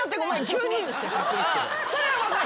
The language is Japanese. それは分かる？